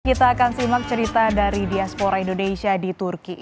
kita akan simak cerita dari diaspora indonesia di turki